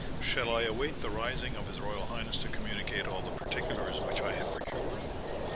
Shall I await the rising of his royal highness to communicate all the particulars which I have procured?"